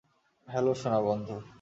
Hello, সোনা বন্ধু!